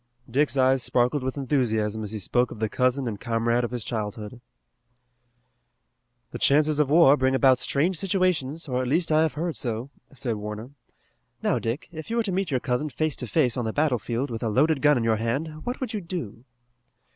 Dick's eyes sparkled with enthusiasm as he spoke of the cousin and comrade of his childhood. "The chances of war bring about strange situations, or at least I have heard so," said Warner. "Now, Dick, if you were to meet your cousin face to face on the battlefield with a loaded gun in your hand what would you do?"